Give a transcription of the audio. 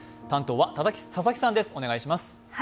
担当は佐々木さんです。